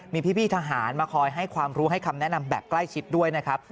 มีพี่ทหารมาคอยให้ความรู้ให้คำแนะนำแบบใกล้ชิดด้วยนะครับ